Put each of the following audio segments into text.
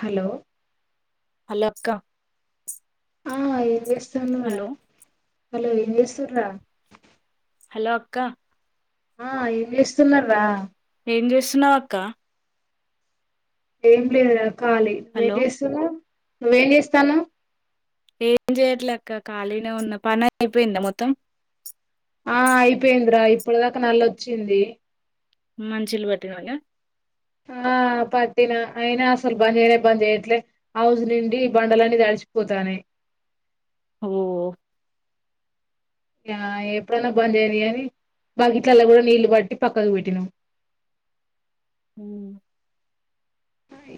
Hello హలోక్క ఆ ఏం చేస్తున్నావ్ స్తున్నావ్ రా హలో ఎంజేస్తుండ్రు రా హలో అక్కా ఆ ఏం చెస్తున్నారు రా ఏం చేస్తున్నావ్ అక్క ఏమి లేదు రా కాలీ ఏం హలో చేస్తున్నావ్ నువ్వేం చేస్తానవ్ ఏం చెయట్లేక్క ఖాళీనే ఉన్న పని అయిపోయింద మొత్తం ఆ అయిపోయింద్ర ఇప్పు ఇప్పుడుదాకా నలొచ్చింది మంచిలు పట్టినోనా ఆ పట్టినా అయినా అసలు బంద్ చేయనే బంద్ చేయట్లే హౌజ్ నుండి బండలన్నీ తడిచిపోతానాయ్ ఓ ఆ ఎప్పుడన్నా బందు కాని బగాట్లలా కూడా నీళ్లు పట్టి పక్కకు పెట్టినాము. మ్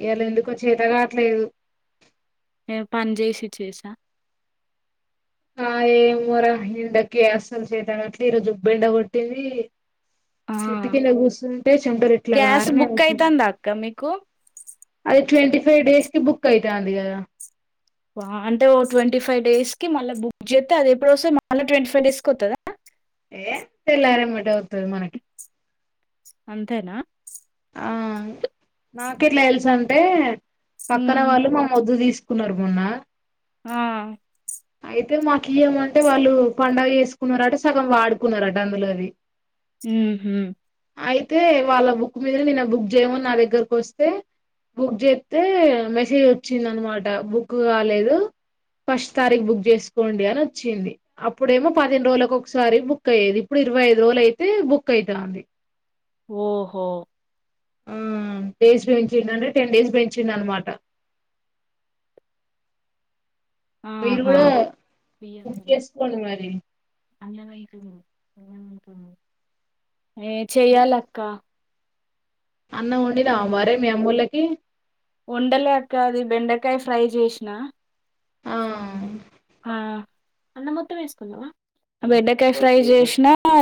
ఇయలా ఎందుకు చేత కావట్లేదు ఏ పని చేేసి చేసా ఆ ఏమెర ఎండకి అసలు చేయతాట్లే ఈరోజు బెండ గొట్టింది. ఆ చెట్టుకింద కూసుంటే చెమటలు ఇట్లా గ్యాస్ గార్నయి బుక్ అసలు అయితందా అక్క మీకు అది ట్వంటీఫైవ్ డేస్ కి బుక్ అయితాంది కదా వా అంటే ఓ ట్వంటీఫైవ్ డేస్ కి మల్ల బుక్ చేస్తే అది ఎప్పుడు వస్తది మల్ల ట్వంటీడేస్ కి వత్తాదా. ఏ తెల్లారేంబాటే వత్తాది మనకి. అంతేనా నా కేట్లా ఎల్సన్ టే పక్కన ఉమ్, వాళ్ళు మా వద్దు తీసు కునరు మొన్న ఆ అయితే మాకు ఏమంటే వాళ్ళు పండుగ చేసుకున్నార అట సగం వాడుకున్నారట అందులోది ఉ హు అయితే వాళ్ళ బుక్ [unintelligible] నిన్న బుక్ చేయమని నా దగ్గరకు వస్తే బుక్ జేత్తే మెసేజ్ వచ్చింది అనమాట బుక్ కాలేదు ఫస్ట్ తారీఖు బుక్ చేసుకోండి అని వచ్చింది అప్పుడేమో పదిహేను రోజులకు ఒకసారి బుక్ అయ్యేది ఇప్పుడు ఇరవై ఐదు రోజులు అయితే బుక్ అయితాంది. ఓహో ఆ డేస్ పెంచిండ్రు అంటే టెన్ డేస్ పెంచిండ్రు అనమాట మీరు ఆహా కూడా బుక్ చేసుకోండి మరి [unintelligible] ఏ చెయ్యాలక్క అన్నాం వండినవా మరి మీ అమ్మోలకి ఏ వండలేక అది బెండకాయ ఫ్రై చేసిన ఆ ఆ అన్నం మొత్తం వేసుకున్నావా బెండకాయ ఫ్రై చేసిన